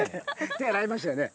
手洗いましたよね？